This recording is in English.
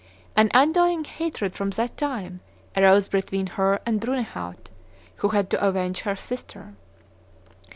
An undying hatred from that time arose between her and Brunehaut, who had to avenge her sister.